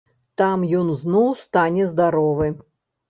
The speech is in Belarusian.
Там ён зноў стане здаровы!